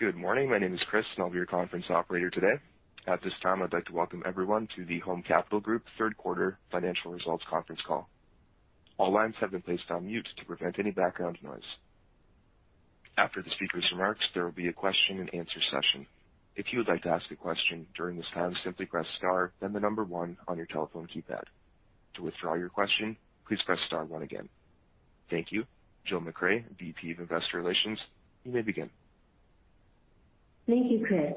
Good morning. My name is Chris, and I'll be your conference operator today. At this time, I'd like to welcome everyone to the Home Capital Group Q3 financial results conference call. All lines have been placed on mute to prevent any background noise. After the speaker's remarks, there will be a question-and-answer session. If you would like to ask a question during this time, simply press star, then the number one on your telephone keypad. To withdraw your question, please press star one again. Thank you. Jill MacRae, VP of Investor Relations, you may begin. Thank you, Chris.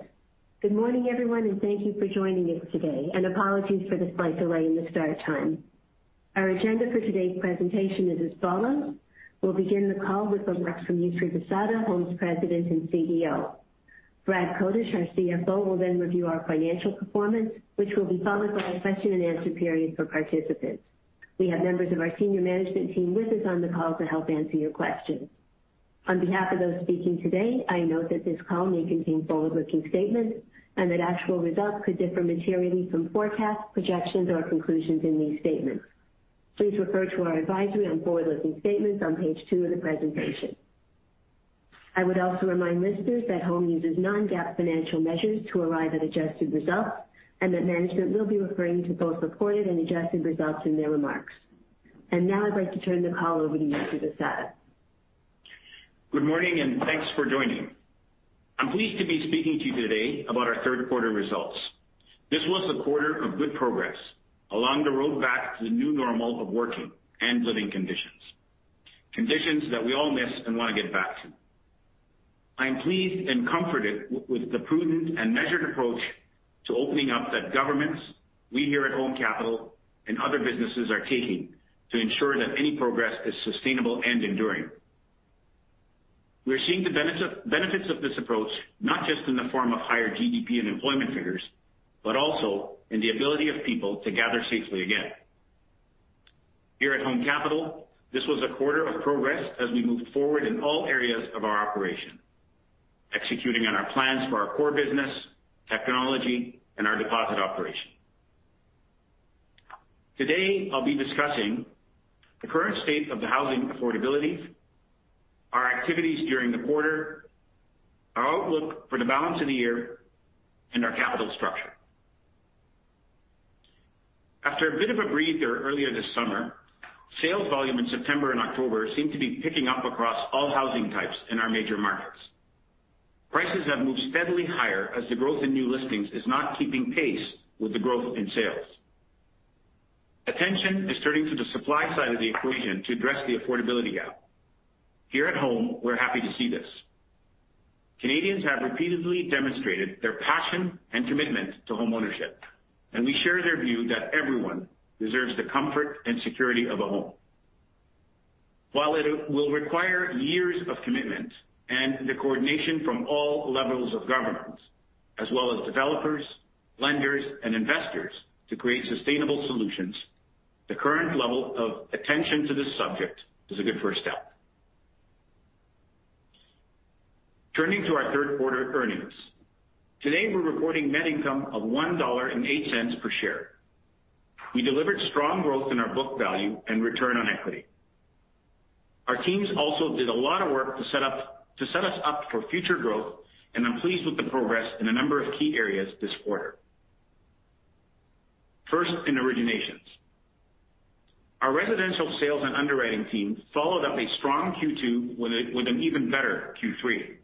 Good morning, everyone, and thank you for joining us today, and apologies for the slight delay in the start time. Our agenda for today's presentation is as follows. We'll begin the call with remarks from Yousry Bissada, Home's President and CEO. Brad Kotush, our CFO, will then review our financial performance, which will be followed by a question-and-answer period for participants. We have members of our senior management team with us on the call to help answer your questions. On behalf of those speaking today, I note that this call may contain forward-looking statements and that actual results could differ materially from forecasts, projections, or conclusions in these statements. Please refer to our advisory on forward-looking statements on page two of the presentation. I would also remind listeners that Home uses non-GAAP financial measures to arrive at adjusted results and that management will be referring to both reported and adjusted results in their remarks. Now I'd like to turn the call over to Yousry Bissada. Good morning, and thanks for joining. I'm pleased to be speaking to you today about our Q3 results. This was a quarter of good progress along the road back to the new normal of working and living conditions that we all miss and wanna get back to. I am pleased and comforted with the prudent and measured approach to opening up that governments, we here at Home Capital, and other businesses are taking to ensure that any progress is sustainable and enduring. We are seeing the benefits of this approach, not just in the form of higher GDP and employment figures, but also in the ability of people to gather safely again. Here at Home Capital, this was a quarter of progress as we moved forward in all areas of our operation, executing on our plans for our core business, technology, and our deposit operation. Today, I'll be discussing the current state of the housing affordability, our activities during the quarter, our outlook for the balance of the year, and our capital structure. After a bit of a breather earlier this summer, sales volume in September and October seem to be picking up across all housing types in our major markets. Prices have moved steadily higher as the growth in new listings is not keeping pace with the growth in sales. Attention is turning to the supply side of the equation to address the affordability gap. Here at Home, we're happy to see this. Canadians have repeatedly demonstrated their passion and commitment to homeownership, and we share their view that everyone deserves the comfort and security of a home. While it will require years of commitment and the coordination from all levels of governments as well as developers, lenders, and investors to create sustainable solutions, the current level of attention to this subject is a good first step. Turning to our Q3 earnings. Today, we're reporting net income of 1.08 dollar per share. We delivered strong growth in our book value and return on equity. Our teams also did a lot of work to set us up for future growth, and I'm pleased with the progress in a number of key areas this quarter. First, in originations. Our residential sales and underwriting team followed up a strong Q2 with an even better Q3.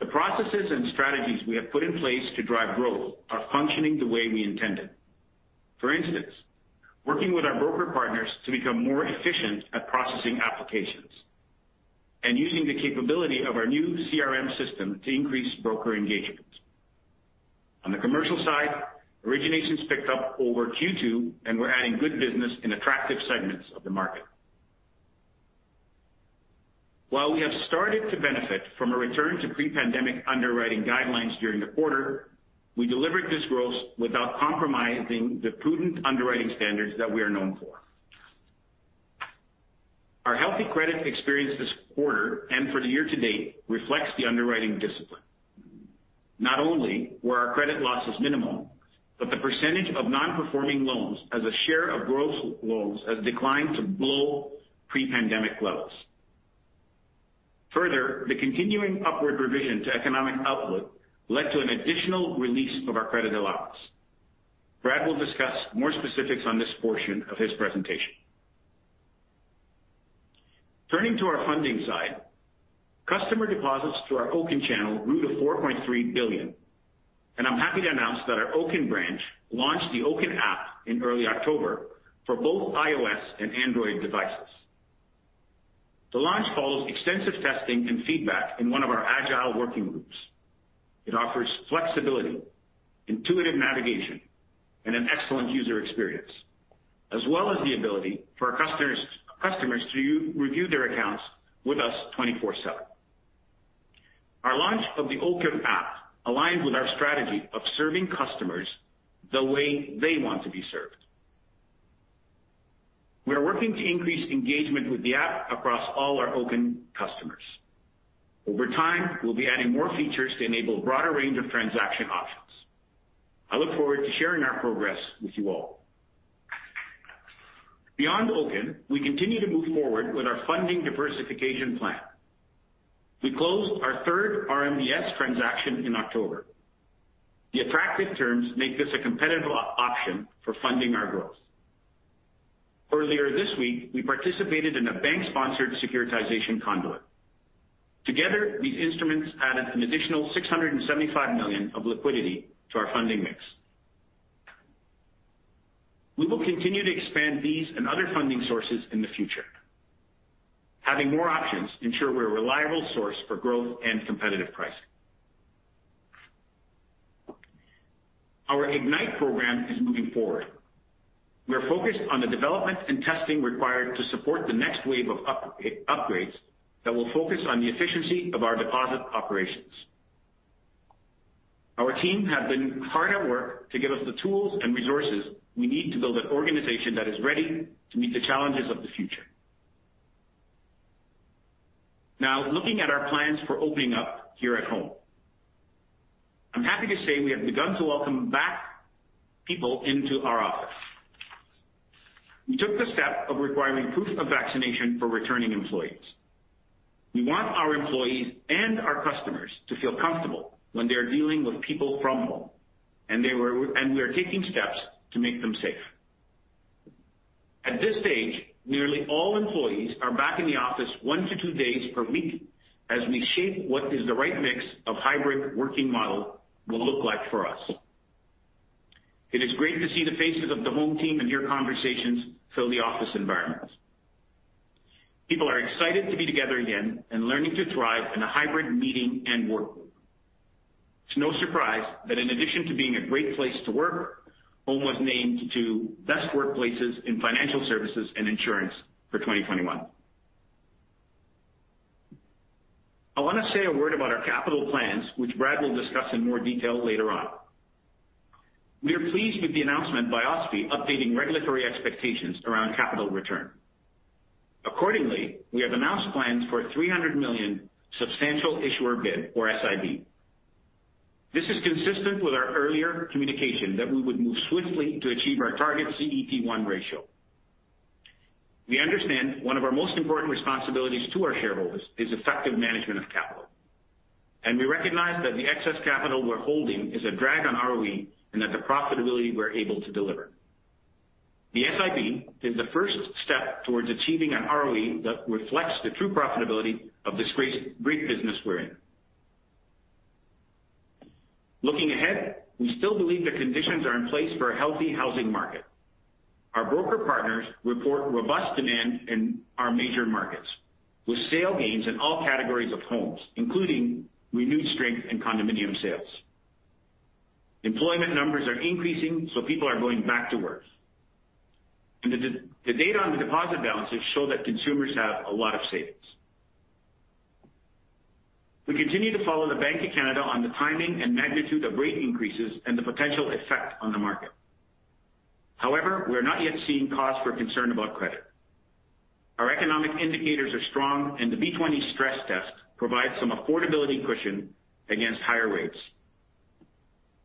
The processes and strategies we have put in place to drive growth are functioning the way we intended. For instance, working with our broker partners to become more efficient at processing applications and using the capability of our new CRM system to increase broker engagement. On the commercial side, originations picked up over Q2, and we're adding good business in attractive segments of the market. While we have started to benefit from a return to pre-pandemic underwriting guidelines during the quarter, we delivered this growth without compromising the prudent underwriting standards that we are known for. Our healthy credit experience this quarter and for the year to date reflects the underwriting discipline. Not only were our credit losses minimal, but the percentage of non-performing loans as a share of gross loans has declined to below pre-pandemic levels. Further, the continuing upward revision to economic outlook led to an additional release of our credit allowance. Brad will discuss more specifics on this portion of his presentation. Turning to our funding side, customer deposits through our Oaken channel grew to 4.3 billion, and I'm happy to announce that our Oaken branch launched the Oaken app in early October for both iOS and Android devices. The launch follows extensive testing and feedback in one of our agile working groups. It offers flexibility, intuitive navigation, and an excellent user experience, as well as the ability for our customers to review their accounts with us 24/7. Our launch of the Oaken app aligns with our strategy of serving customers the way they want to be served. We are working to increase engagement with the app across all our Oaken customers. Over time, we'll be adding more features to enable a broader range of transaction options. I look forward to sharing our progress with you all. Beyond Oaken, we continue to move forward with our funding diversification plan. We closed our third RMBS transaction in October. The attractive terms make this a competitive option for funding our growth. Earlier this week, we participated in a bank-sponsored securitization conduit. Together, these instruments added an additional 675 million of liquidity to our funding mix. We will continue to expand these and other funding sources in the future. Having more options ensure we're a reliable source for growth and competitive pricing. Our Ignite Program is moving forward. We are focused on the development and testing required to support the next wave of upgrades that will focus on the efficiency of our deposit operations. Our team have been hard at work to give us the tools and resources we need to build an organization that is ready to meet the challenges of the future. Now, looking at our plans for opening up here at home. I'm happy to say we have begun to welcome back people into our office. We took the step of requiring proof of vaccination for returning employees. We want our employees and our customers to feel comfortable when they are dealing with people from home, and we are taking steps to make them safe. At this stage, nearly all employees are back in the office one to two days per week as we shape what is the right mix of hybrid working model will look like for us. It is great to see the faces of the home team and hear conversations fill the office environments. People are excited to be together again and learning to thrive in a hybrid meeting and work. It's no surprise that in addition to being a great place to work, Home was named to Best Workplaces in Financial Services & Insurance for 2021. I wanna say a word about our capital plans, which Brad will discuss in more detail later on. We are pleased with the announcement by OSFI updating regulatory expectations around capital return. Accordingly, we have announced plans for 300 million substantial issuer bid or SIB. This is consistent with our earlier communication that we would move swiftly to achieve our target CET1 ratio. We understand one of our most important responsibilities to our shareholders is effective management of capital. We recognize that the excess capital we're holding is a drag on ROE and that the profitability we're able to deliver. The SIB is the first step towards achieving an ROE that reflects the true profitability of this great business we're in. Looking ahead, we still believe the conditions are in place for a healthy housing market. Our broker partners report robust demand in our major markets, with sales gains in all categories of homes, including renewed strength in condominium sales. Employment numbers are increasing, so people are going back to work. The data on the deposit balances show that consumers have a lot of savings. We continue to follow the Bank of Canada on the timing and magnitude of rate increases and the potential effect on the market. However, we are not yet seeing cause for concern about credit. Our economic indicators are strong, and the B-20 stress test provides some affordability cushion against higher rates.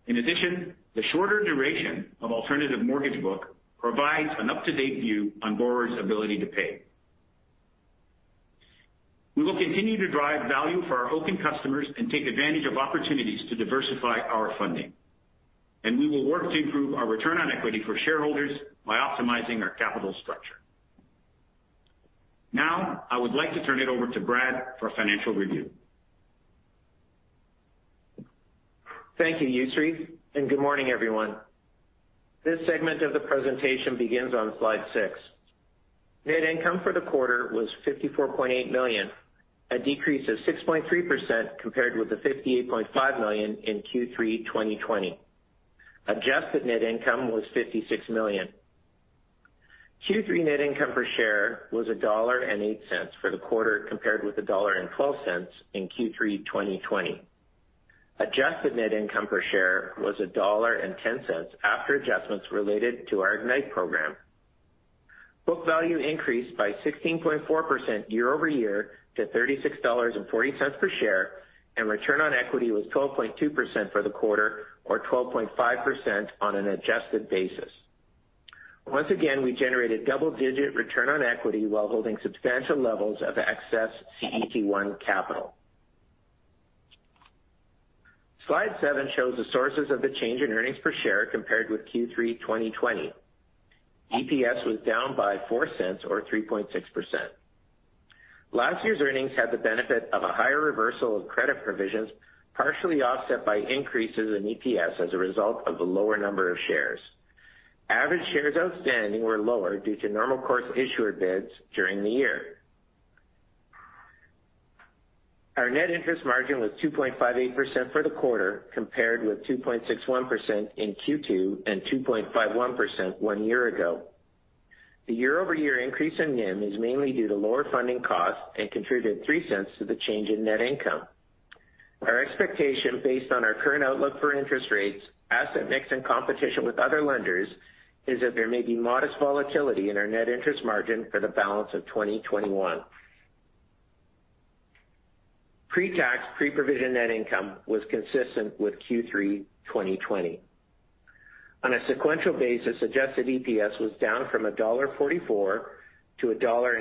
In addition, the shorter duration of alternative mortgage book provides an up-to-date view on borrowers' ability to pay. We will continue to drive value for our open customers and take advantage of opportunities to diversify our funding. We will work to improve our return on equity for shareholders by optimizing our capital structure. Now, I would like to turn it over to Brad for a financial review. Thank you, Yousry, and good morning, everyone. This segment of the presentation begins on slide 6. Net income for the quarter was 54.8 million, a decrease of 6.3% compared with the 58.5 million in Q3 2020. Adjusted net income was 56 million. Q3 net income per share was 1.08 dollar for the quarter compared with 1.12 dollar in Q3 2020. Adjusted net income per share was 1.10 dollar after adjustments related to our Ignite Program. Book value increased by 16.4% year-over-year to 36.40 dollars per share and return on equity was 12.2% for the quarter or 12.5% on an adjusted basis. Once again, we generated double-digit return on equity while holding substantial levels of excess CET1 capital. Slide 7 shows the sources of the change in earnings per share compared with Q3 2020. EPS was down by 0.04 or 3.6%. Last year's earnings had the benefit of a higher reversal of credit provisions, partially offset by increases in EPS as a result of the lower number of shares. Average shares outstanding were lower due to normal course issuer bids during the year. Our net interest margin was 2.58% for the quarter, compared with 2.61% in Q2 and 2.51% one year ago. The year-over-year increase in NIM is mainly due to lower funding costs and contributed 0.03 to the change in net income. Our expectation based on our current outlook for interest rates, asset mix and competition with other lenders is that there may be modest volatility in our net interest margin for the balance of 2021. Pre-tax, pre-provision net income was consistent with Q3 2020. On a sequential basis, adjusted EPS was down from dollar 1.44 to 1.10 dollar,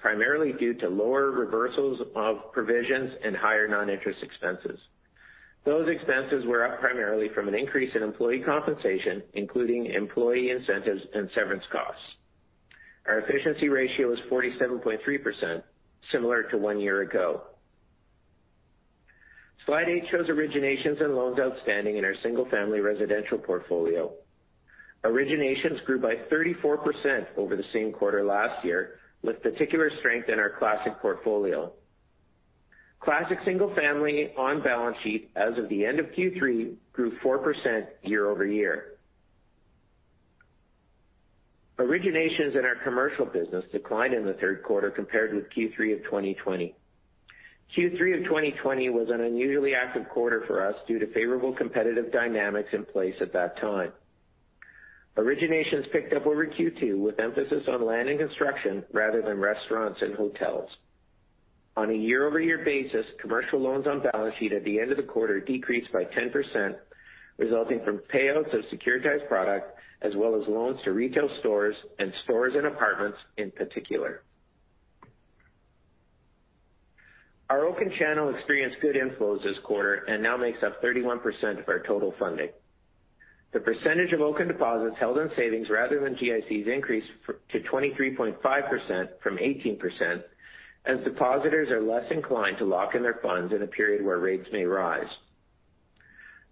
primarily due to lower reversals of provisions and higher non-interest expenses. Those expenses were up primarily from an increase in employee compensation, including employee incentives and severance costs. Our efficiency ratio is 47.3%, similar to one year ago. Slide 8 shows originations and loans outstanding in our single-family residential portfolio. Originations grew by 34% over the same quarter last year, with particular strength in our classic portfolio. Classic single family on balance sheet as of the end of Q3 grew 4% year-over-year. Originations in our commercial business declined in the Q3 compared with Q3 of 2020. Q3 of 2020 was an unusually active quarter for us due to favorable competitive dynamics in place at that time. Originations picked up over Q2 with emphasis on land and construction rather than restaurants and hotels. On a year-over-year basis, commercial loans on balance sheet at the end of the quarter decreased by 10%, resulting from payouts of securitized product as well as loans to retail stores and stores and apartments in particular. Our Oaken channel experienced good inflows this quarter and now makes up 31% of our total funding. The percentage of Oaken deposits held in savings rather than GICs increased to 23.5% from 18% as depositors are less inclined to lock in their funds in a period where rates may rise.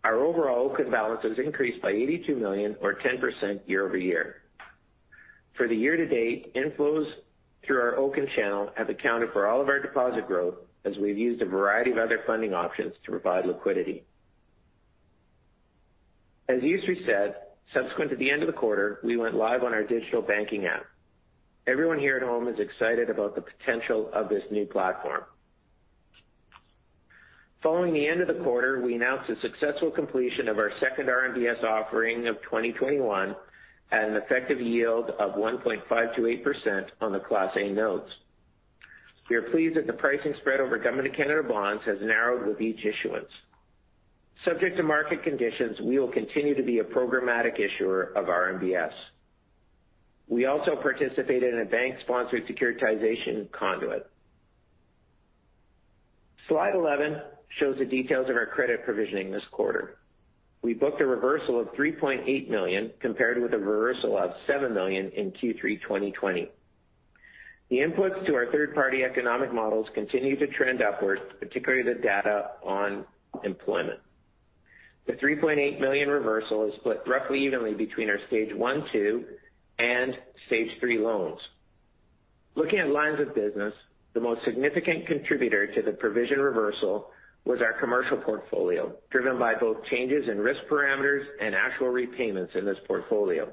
Our overall Oaken balances increased by 82 million or 10% year-over-year. For the year to date, inflows through our Oaken channel have accounted for all of our deposit growth as we've used a variety of other funding options to provide liquidity. As Yousry said, subsequent to the end of the quarter, we went live on our digital banking app. Everyone here at home is excited about the potential of this new platform. Following the end of the quarter, we announced the successful completion of our second RMBS offering of 2021 at an effective yield of 1.528% on the Class A notes. We are pleased that the pricing spread over Government of Canada bonds has narrowed with each issuance. Subject to market conditions, we will continue to be a programmatic issuer of RMBS. We also participated in a bank-sponsored securitization conduit. Slide 11 shows the details of our credit provisioning this quarter. We booked a reversal of 3.8 million compared with a reversal of 7 million in Q3 2020. The inputs to our third-party economic models continue to trend upwards, particularly the data on employment. The 3.8 million reversal is split roughly evenly between our Stage 1, 2, and Stage 3 loans. Looking at lines of business, the most significant contributor to the provision reversal was our commercial portfolio, driven by both changes in risk parameters and actual repayments in this portfolio.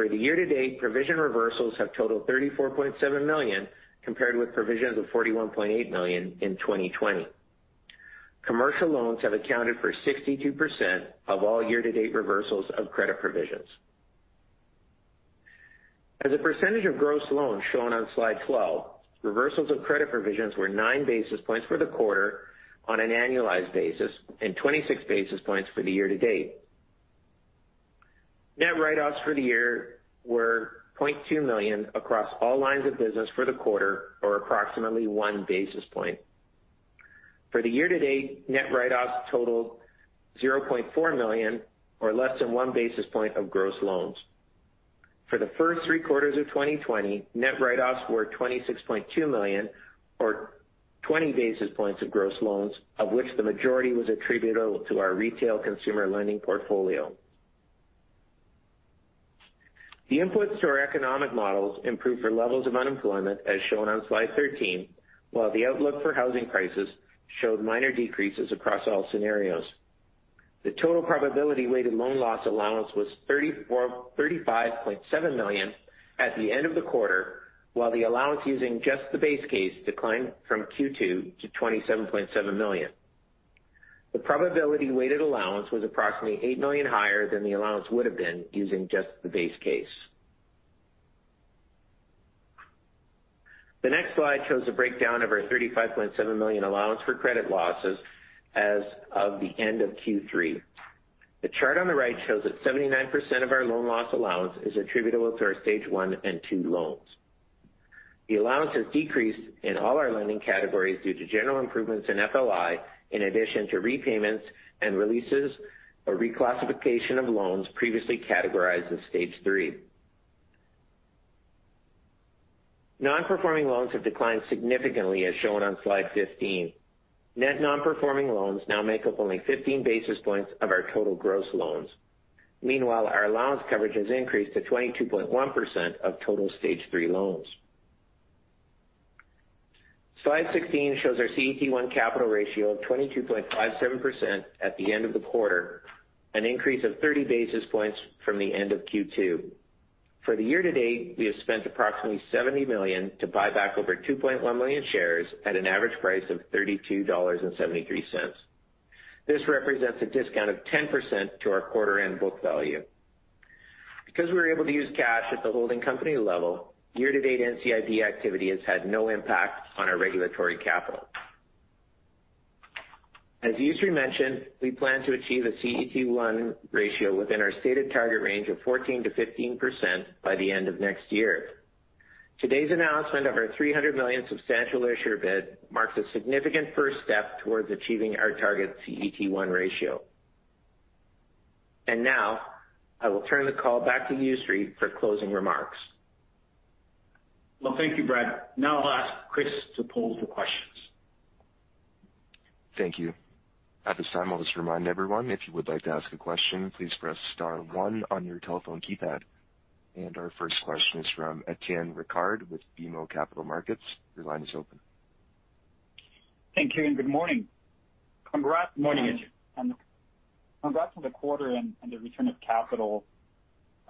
For the year to date, provision reversals have totaled 34.7 million, compared with provisions of 41.8 million in 2020. Commercial loans have accounted for 62% of all year-to-date reversals of credit provisions. As a percentage of gross loans shown on slide 12, reversals of credit provisions were 9 basis points for the quarter on an annualized basis and 26 basis points for the year to date. Net write-offs for the year were 0.2 million across all lines of business for the quarter, or approximately 1 basis point. For the year to date, net write-offs totaled 0.4 million, or less than 1 basis point of gross loans. For the first three quarters of 2020, net write-offs were 26.2 million or 20 basis points of gross loans, of which the majority was attributable to our retail consumer lending portfolio. The inputs to our economic models improved for levels of unemployment, as shown on slide 13, while the outlook for housing prices showed minor decreases across all scenarios. The total probability weighted loan loss allowance was 35.7 million at the end of the quarter, while the allowance using just the base case declined from Q2 to 27.7 million. The probability weighted allowance was approximately 8 million higher than the allowance would have been using just the base case. The next slide shows a breakdown of our 35.7 million allowance for credit losses as of the end of Q3. The chart on the right shows that 79% of our loan loss allowance is attributable to our Stage 1 and 2 loans. The allowance has decreased in all our lending categories due to general improvements in FLI, in addition to repayments and releases or reclassification of loans previously categorized as Stage 3. Non-performing loans have declined significantly, as shown on slide 15. Net non-performing loans now make up only 15 basis points of our total gross loans. Meanwhile, our allowance coverage has increased to 22.1% of total Stage 3 loans. Slide 16 shows our CET1 capital ratio of 22.57% at the end of the quarter, an increase of 30 basis points from the end of Q2. For the year-to-date, we have spent approximately 70 million to buy back over 2.1 million shares at an average price of 32.73 dollars. This represents a discount of 10% to our quarter-end book value. Because we were able to use cash at the holding company level, year-to-date NCIB activity has had no impact on our regulatory capital. As Yousry mentioned, we plan to achieve a CET1 ratio within our stated target range of 14 to 15% by the end of next year. Today's announcement of our 300 million substantial issuer bid marks a significant first step towards achieving our target CET1 ratio. Now I will turn the call back to Yousry for closing remarks. Well, thank you, Brad. Now I'll ask Chris to poll for questions. Thank you. At this time, I'll just remind everyone, if you would like to ask a question, please press star one on your telephone keypad. Our first question is from Étienne Ricard with BMO Capital Markets. Your line is open. Thank you and good morning. Good morning, Étienne. Congrats on the quarter and the return of capital.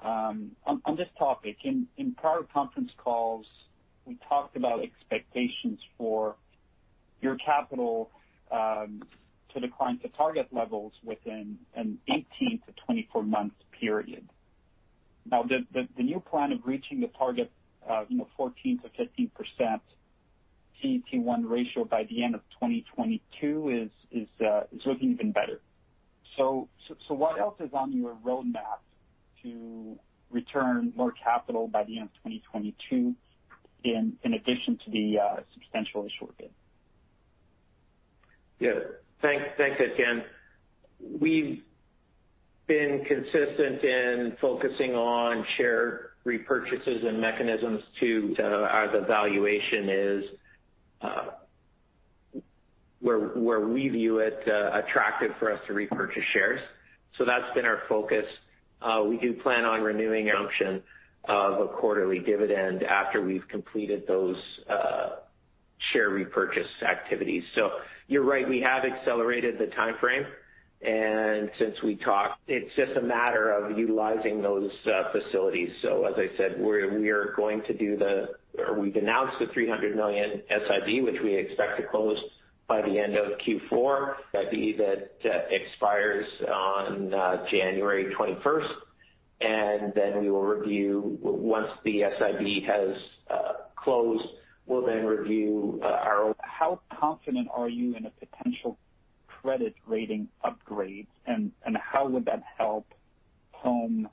On this topic, in prior conference calls, we talked about expectations for your capital to decline to target levels within an 18 to 24-month period. Now, the new plan of reaching the target, you know, 14 to 15% CET1 ratio by the end of 2022 is looking even better. What else is on your roadmap to return more capital by the end of 2022 in addition to the substantial issuer bid? Yeah. Thanks, Étienne. We've been consistent in focusing on share repurchases and mechanisms to as the valuation is where we view it attractive for us to repurchase shares. That's been our focus. We do plan on renewing option of a quarterly dividend after we've completed those share repurchase activities. You're right, we have accelerated the timeframe. Since we talked, it's just a matter of utilizing those facilities. As I said, we've announced the 300 million SIB, which we expect to close by the end of Q4, that expires on January twenty-first. Then we will review once the SIB has closed, we'll then review our- How confident are you in a potential credit rating upgrade, and how would that help Home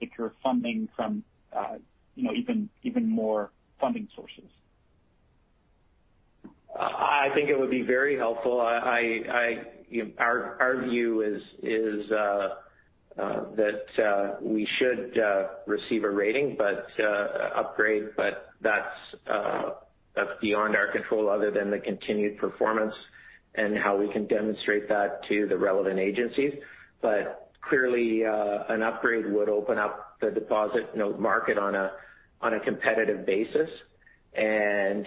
if you're funding from, you know, even more funding sources? I think it would be very helpful. You know, our view is that we should receive a rating upgrade, but that's beyond our control other than the continued performance and how we can demonstrate that to the relevant agencies. Clearly, an upgrade would open up the deposit note market on a competitive basis, and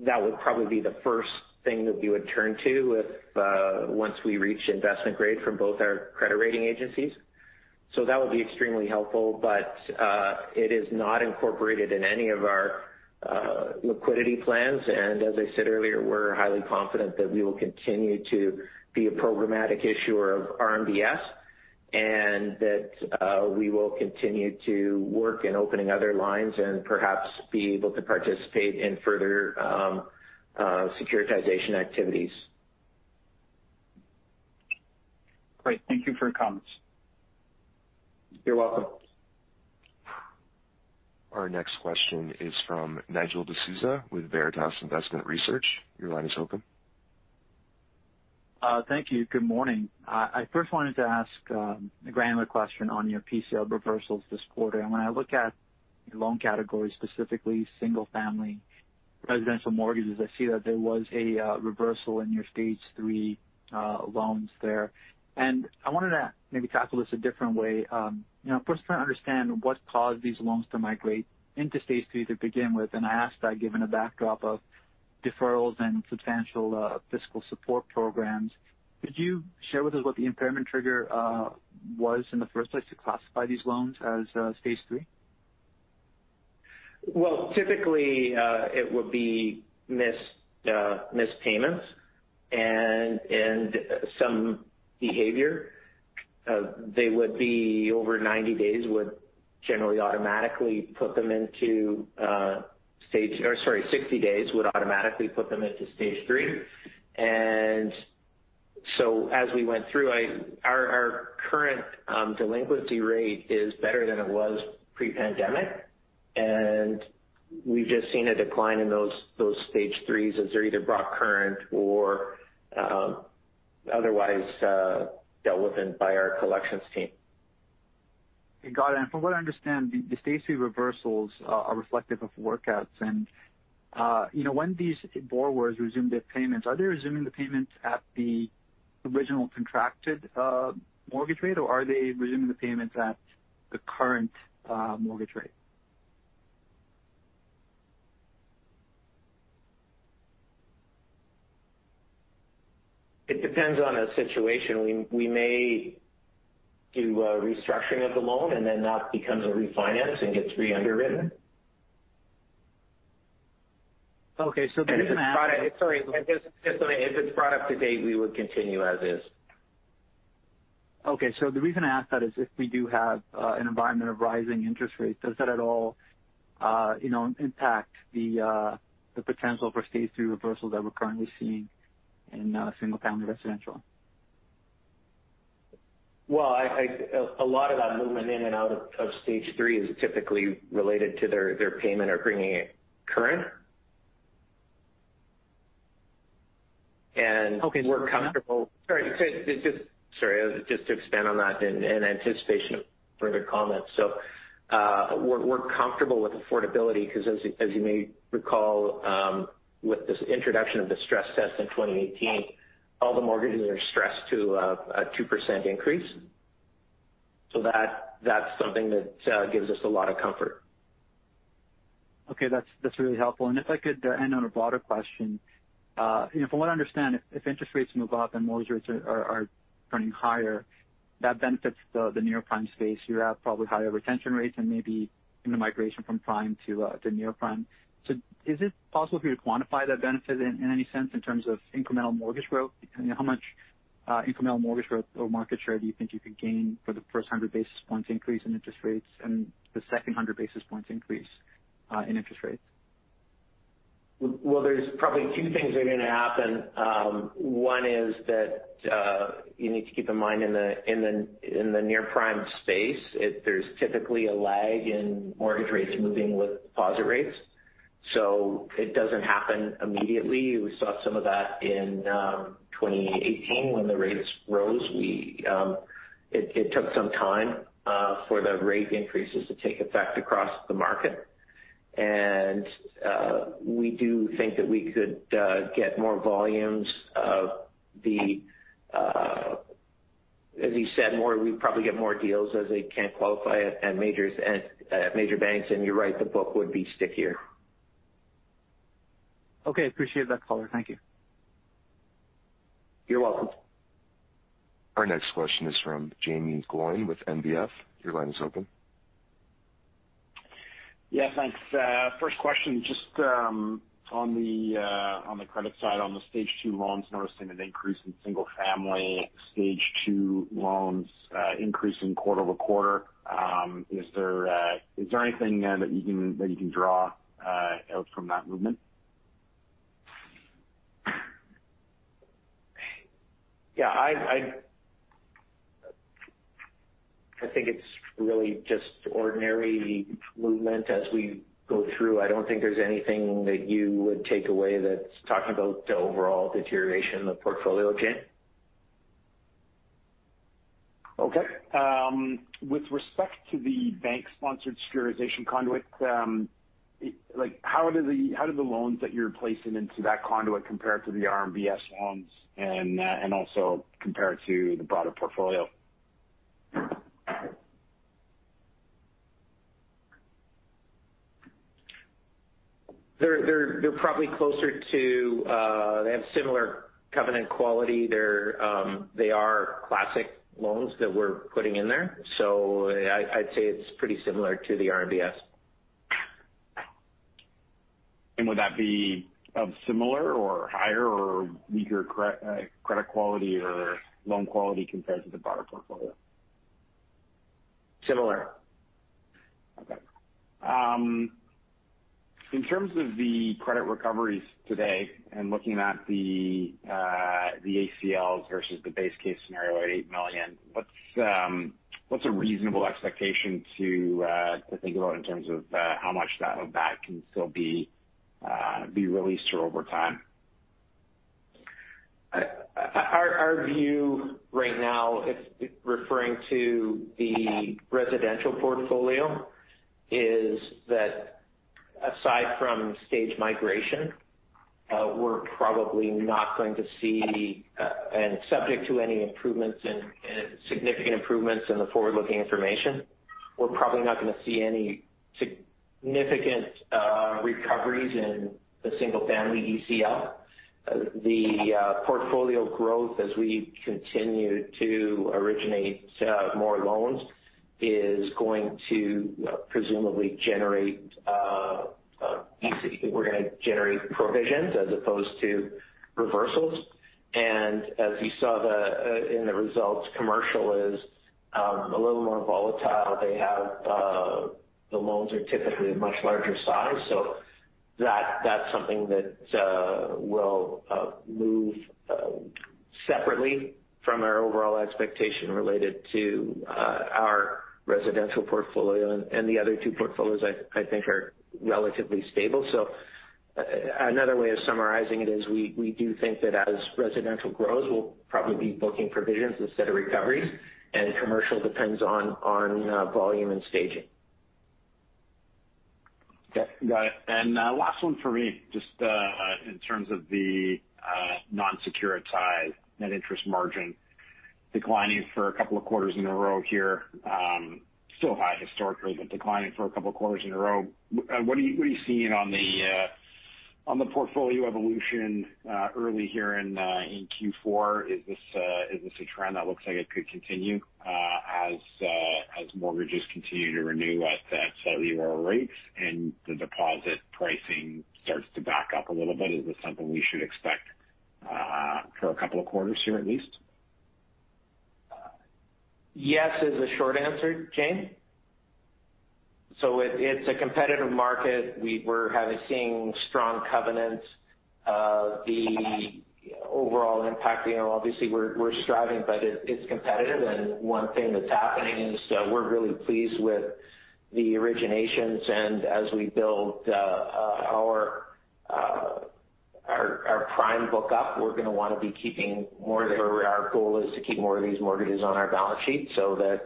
that would probably be the first thing that we would turn to once we reach investment grade from both our credit rating agencies. That would be extremely helpful. It is not incorporated in any of our liquidity plans. As I said earlier, we're highly confident that we will continue to be a programmatic issuer of RMBS, and that we will continue to work in opening other lines and perhaps be able to participate in further securitization activities. Great. Thank you for your comments. You're welcome. Our next question is from Nigel D'Souza with Veritas Investment Research. Your line is open. Thank you. Good morning. I first wanted to ask a granular question on your PCL reversals this quarter. When I look at your loan category, specifically single-family residential mortgages, I see that there was a reversal in your Stage 3 loans there. I wanted to maybe tackle this a different way. You know, first trying to understand what caused these loans to migrate into Stage 3 to begin with. I ask that given a backdrop of deferrals and substantial fiscal support programs. Could you share with us what the impairment trigger was in the first place to classify these loans as Stage 3? Well, typically, it would be missed payments and some behavior. They would be over 90 days would generally automatically put them into Stage 3 or sorry, 60 days would automatically put them into Stage 3. As we went through, our current delinquency rate is better than it was pre-pandemic, and we've just seen a decline in those Stage 3s as they're either brought current or otherwise dealt with by our collections team. Got it. From what I understand, the Stage 3 reversals are reflective of workouts. You know, when these borrowers resume their payments, are they resuming the payments at the original contracted mortgage rate, or are they resuming the payments at the current mortgage rate? It depends on the situation. We may do a restructuring of the loan, and then that becomes a refinance and gets re-underwritten. Okay. The reason I ask. Sorry. Just so if it's brought up to date, we would continue as is. The reason I ask that is if we do have an environment of rising interest rates, does that at all, you know, impact the potential for Stage 3 reversals that we're currently seeing in single-family residential? A lot of that movement in and out of Stage 3 is typically related to their payment or bringing it current. Okay. We're comfortable. Sorry, just to expand on that in anticipation of further comments. We're comfortable with affordability cause as you may recall, with this introduction of the stress test in 2018, all the mortgages are stressed to a 2% increase. That's something that gives us a lot of comfort. Okay. That's really helpful. If I could end on a broader question, you know, from what I understand, if interest rates move up and mortgage rates are turning higher, that benefits the near-prime space. You have probably higher retention rates and maybe even a migration from prime to near-prime. Is it possible for you to quantify that benefit in any sense in terms of incremental mortgage growth? How much incremental mortgage growth or market share do you think you could gain for the first 100 basis points increase in interest rates and the second 100 basis points increase in interest rates? Well, there's probably two things are gonna happen. One is that you need to keep in mind in the near-prime space there's typically a lag in mortgage rates moving with deposit rates. It doesn't happen immediately. We saw some of that in 2018 when the rates rose. It took some time for the rate increases to take effect across the market. We do think that we could get more volumes, as you said, we'd probably get more deals as they can't qualify at major banks. You're right, the book would be stickier. Okay. Appreciate that color. Thank you. You're welcome. Our next question is from Jaeme Gloyn with NBF. Your line is open. Yeah, thanks. First question, just on the credit side, on the Stage 2 loans, noticing an increase in single-family Stage 2 loans, increasing quarter-over-quarter. Is there anything that you can draw out from that movement? Yeah. I think it's really just ordinary movement as we go through. I don't think there's anything that you would take away that's talking about the overall deterioration of the portfolio change. Okay. With respect to the bank-sponsored securitization conduit, like, how do the loans that you're placing into that conduit compare to the RMBS loans and also compare to the broader portfolio? They're probably closer to, they have similar covenant quality. They are classic loans that we're putting in there. I'd say it's pretty similar to the RMBS. Would that be of similar or higher or weaker credit quality or loan quality compared to the broader portfolio? Similar. Okay. In terms of the credit recoveries today and looking at the ACLs versus the base case scenario at 8 million, what's a reasonable expectation to think about in terms of how much of that can still be released here over time? Our view right now, if referring to the residential portfolio, is that aside from stage migration, we're probably not going to see, and subject to any significant improvements in the forward-looking information, we're probably not gonna see any significant recoveries in the single-family ACL. The portfolio growth as we continue to originate more loans is going to presumably generate ACLs. We're gonna generate provisions as opposed to reversals. As you saw in the results, commercial is a little more volatile. The loans are typically a much larger size. So that's something that will move separately from our overall expectation related to our residential portfolio. The other two portfolios I think are relatively stable. Another way of summarizing it is we do think that as residential grows, we'll probably be booking provisions instead of recoveries, and commercial depends on volume and staging. Okay. Got it. Last one for me, just in terms of the non-securitized net interest margin declining for a couple of quarters in a row here. Still high historically but declining for a couple of quarters in a row. What are you seeing on the portfolio evolution early here in Q4? Is this a trend that looks like it could continue as mortgages continue to renew at slightly lower rates and the deposit pricing starts to back up a little bit? Is this something we should expect for a couple of quarters here at least? Yes, is the short answer, Jaeme. It's a competitive market. We're seeing strong competition in the overall market. You know, obviously we're striving, but it's competitive. One thing that's happening is that we're really pleased with the originations. As we build our prime book up, we're gonna wanna be keeping more of it. Our goal is to keep more of these mortgages on our balance sheet so that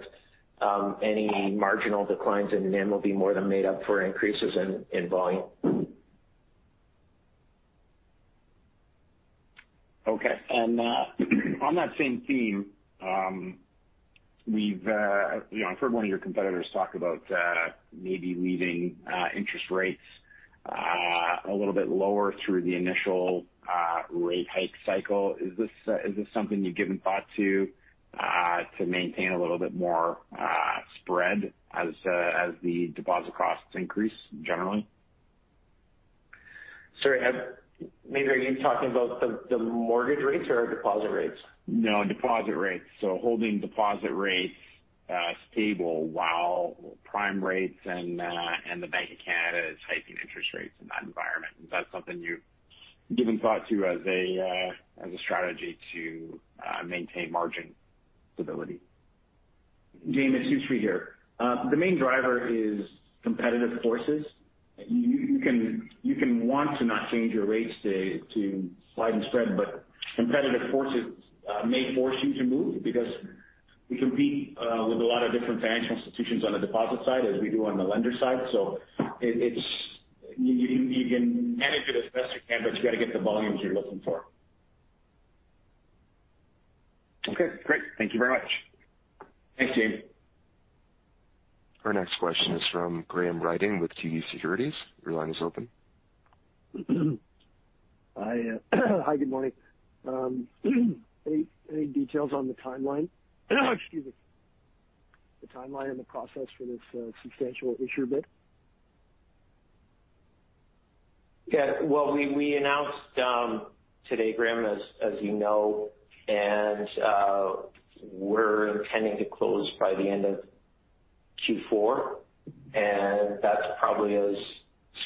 any marginal declines in NIM will be more than made up for increases in volume. Okay. On that same theme, we've, you know, I've heard one of your competitors talk about maybe leaving interest rates a little bit lower through the initial rate hike cycle. Is this something you've given thought to to maintain a little bit more spread as the deposit costs increase generally? Sorry, maybe are you talking about the mortgage rates or deposit rates? No, deposit rates. Holding deposit rates stable while prime rates and the Bank of Canada is hiking interest rates in that environment. Is that something you've given thought to as a strategy to maintain margin stability? Jaeme, it's Yousry here. The main driver is competitive forces. You can want to not change your rates to widen spread, but competitive forces may force you to move because we compete with a lot of different financial institutions on the deposit side as we do on the lender side. You can manage it as best you can, but you gotta get the volumes you're looking for. Okay, great. Thank you very much. Thanks, Jaeme. Our next question is from Graham Ryding with TD Securities. Your line is open. Hi. Hi. Good morning. Any details on the timeline? Excuse me. The timeline and the process for this substantial issuer bid? Yeah. Well, we announced today, Graham, as you know, and we're intending to close by the end of Q4, and that's probably as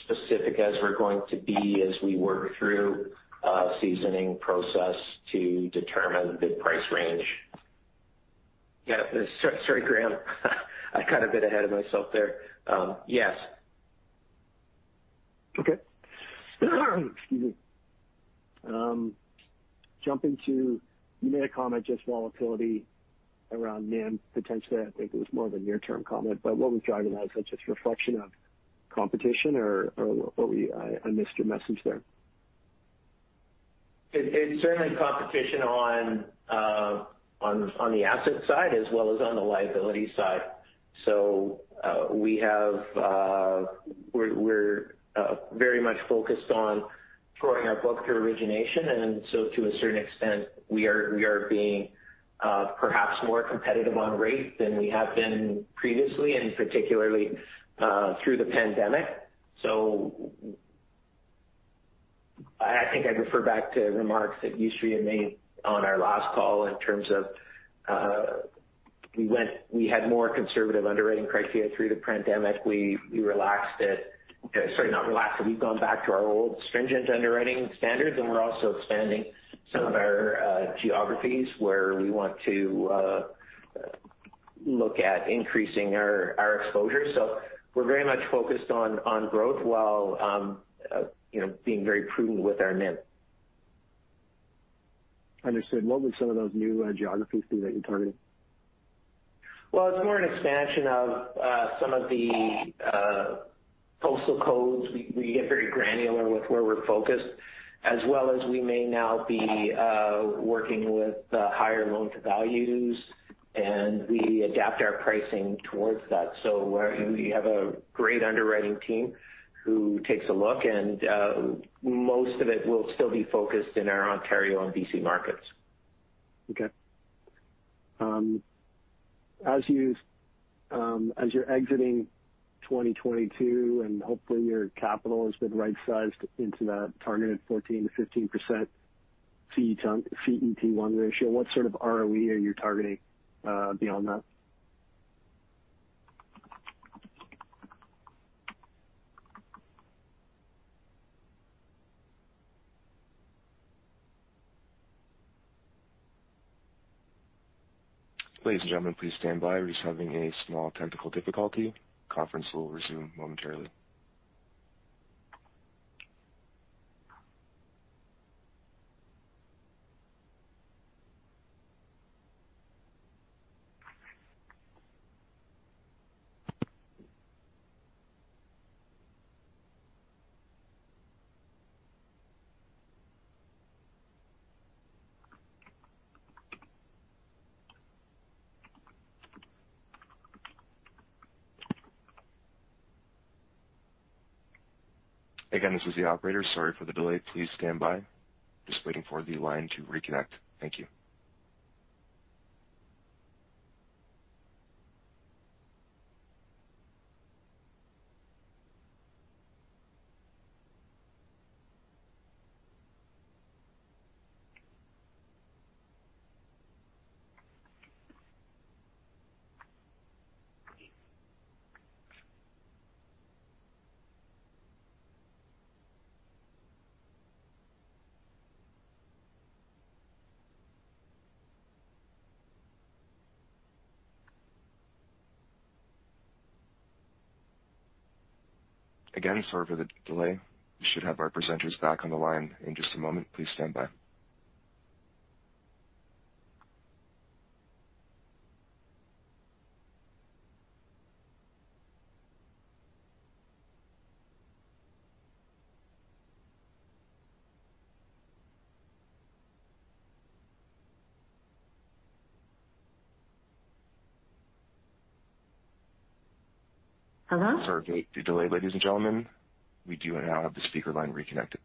specific as we're going to be as we work through a seasoning process to determine bid price range. Yeah. Sorry, Graham. I kind of got ahead of myself there. Yes. Okay. Excuse me. Jumping to you made a comment, just volatility around NIM potentially. I think it was more of a near-term comment, but what we've driven such as reflection of competition or what were you? I missed your message there. It's certainly competition on the asset side as well as on the liability side. We're very much focused on growing our book through origination. To a certain extent, we are being perhaps more competitive on rates than we have been previously and particularly through the pandemic. I think I'd refer back to remarks that Yousry had made on our last call in terms of we had more conservative underwriting criteria through the pandemic. We relaxed it. Sorry, not relaxed it. We've gone back to our old stringent underwriting standards, and we're also expanding some of our geographies where we want to look at increasing our exposure. We're very much focused on growth while you know, being very prudent with our NIM. Understood. What would some of those new geographies be that you're targeting? Well, it's more an expansion of some of the postal codes. We get very granular with where we're focused as well as we may now be working with higher loan to values, and we adapt our pricing towards that. We have a great underwriting team who takes a look, and most of it will still be focused in our Ontario and BC markets. Okay. As you're exiting 2022 and hopefully your capital has been right sized into that targeted 14 to 5% CET1 ratio, what sort of ROE are you targeting beyond that? Ladies and gentlemen, please stand by. We're just having a small technical difficulty. Conference will resume momentarily. Again, this is the operator. Sorry for the delay. Please stand by. Just waiting for the line to reconnect. Thank you. Again, sorry for the delay. We should have our presenters back on the line in just a moment. Please stand by. Hello? Sorry for the delay, ladies and gentlemen. We do now have the speaker line reconnected.